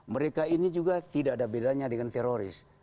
mereka ini juga tidak ada bedanya dengan teroris